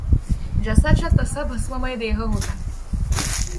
जसाच्या तसा भस्ममय देह होता.